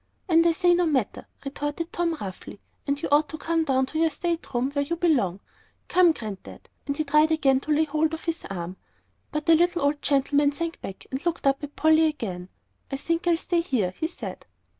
"And I say no matter," retorted Tom, roughly. "And you ought to come down to your state room where you belong. Come, Granddad!" And he tried again to lay hold of his arm. But the little old gentleman sank back, and looked up at Polly again. "I think I'll stay here," he said.